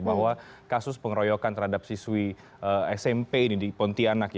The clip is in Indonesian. bahwa kasus pengeroyokan terhadap siswi sma di pontianak